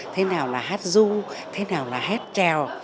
thế nào là hát ru thế nào là hát treo